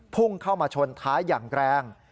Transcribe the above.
พุ่งเข้ามาชนท้ายอย่างแรง